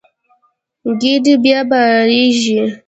کډې بیا بارېږي.